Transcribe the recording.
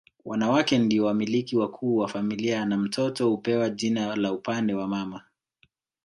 Wanawake ndio wamiliki wakuu wa familia na mtoto hupewa jina la upande wa mama